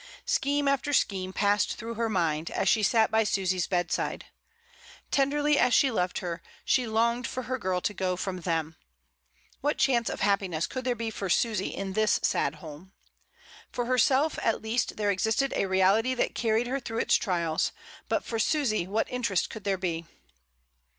Scheme after scheme passed through her mind, as she sat by Susy's bedside. Tenderly as she loved her, she longed for her girl to go from them. What chance of happiness could there be for Susy in this sad home? For herself at least there existed a reality that carried her through its trials; but for Susy what interest could there be?